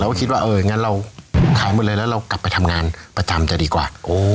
ก็คิดว่าเอองั้นเราขายหมดเลยแล้วเรากลับไปทำงานประจำจะดีกว่า